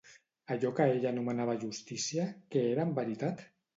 Allò que ell anomenava justícia, què era en veritat?